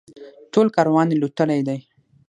ټول کاروان یې لوټلی دی.